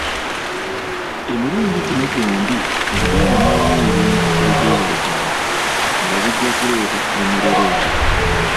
Emirundi gino gy’ombi mu Buganda mwalimu ebintu ebyeyolekanga nga bijja kuleeta emirerembe.